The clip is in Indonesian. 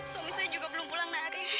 suami saya juga belum pulang dari